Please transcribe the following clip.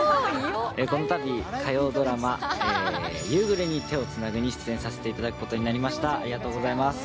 このたび火曜ドラマ「夕暮れに、手をつなぐ」に出演させていただくことになりました。